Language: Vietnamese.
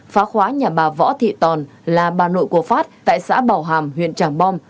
phá khóa nhà bà võ thị tòn là bà nội của phát tại xã bảo hàm huyện tràng bom